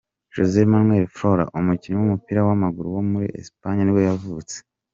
José Manuel Flores, umukinnyi w’umupira w’amaguru wo muri Espagne nibwo yavutse.